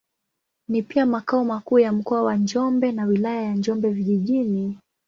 Ni pia makao makuu ya Mkoa wa Njombe na Wilaya ya Njombe Vijijini.